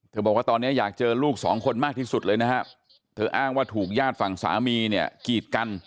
บอกว่าตอนนี้อยากเจอลูกสองคนมากที่สุดเลยนะฮะเธออ้างว่าถูกญาติฝั่งสามีเนี่ยกีดกัน